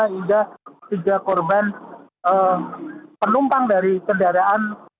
hingga tiga korban penumpang dari kendaraan